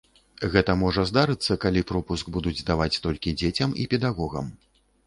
Гэта можа здарыцца, калі пропуск будуць даваць толькі дзецям і педагогам.